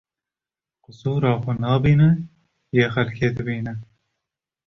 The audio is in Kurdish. Qisura xwe nabîne yê xelkê dibîne